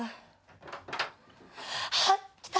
あっ来た！